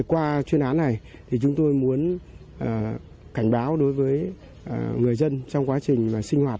qua chuyên án này thì chúng tôi muốn cảnh báo đối với người dân trong quá trình sinh hoạt